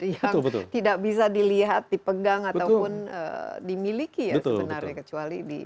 yang tidak bisa dilihat dipegang ataupun dimiliki ya sebenarnya